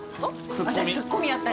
私ツッコミやった。